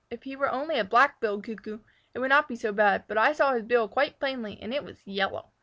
If he were only a Black billed Cuckoo, it would not be so bad, but I saw his bill quite plainly, and it was yellow.